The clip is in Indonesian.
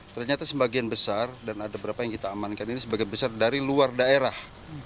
ternyata sebagian besar dan ada berapa yang kita amankan ini sebagian besar dari luar daerah